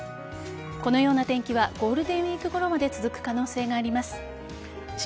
このような天気はゴールデンウイークごろまで続く可能性があります。